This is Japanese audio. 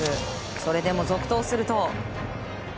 それでも続投すると。